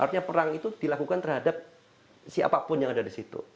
artinya perang itu dilakukan terhadap siapapun yang ada di situ